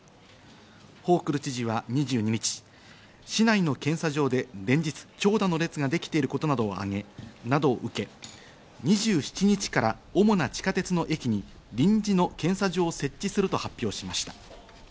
ホークル知事は２２日、市内の検査場で連日長蛇の列ができていることなどを受け、２７日から主な地下鉄の駅に臨時の検査場を設置すると発表しました。